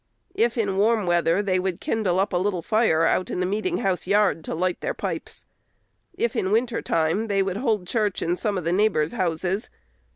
If in warm weather, they would kindle up a little fire out in the meeting house yard, to light their pipes. If in winter time, they would hold church in some of the neighbors' houses.